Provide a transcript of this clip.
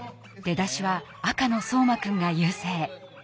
出だしは赤の壮眞くんが優勢。